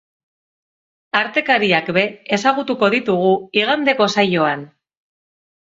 Artekariak ere ezagutuko ditugu igandeko saioan.